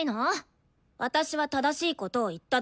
私は正しいことを言っただけよ。